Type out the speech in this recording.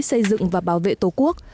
xây dựng và bảo vệ tổ quốc